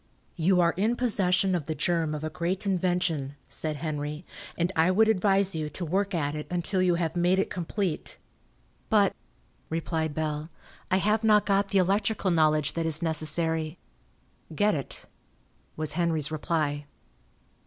"You are in possession of the germ of a great invention," said Henry, "and I would advise you to work at it until you have made it complete." "But," replied Bell, "I have not got the electrical knowledge that is necessary." "Get it," was Henry's reply.